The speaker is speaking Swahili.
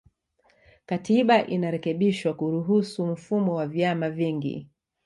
Katiba inarekebishwa kuruhusu mfumo wa vyama vingi